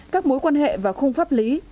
các mối quan hệ và không pháp lý